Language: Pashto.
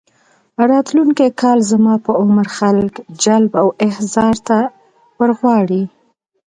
راتلونکي کال زما په عمر خلک جلب او احضار ته ورغواړي.